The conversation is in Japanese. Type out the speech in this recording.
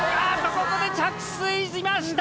ここで着水しました。